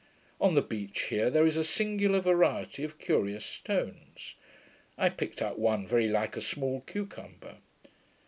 On the beach here there is a singular variety of curious stones. I picked up one very like a small cucumber.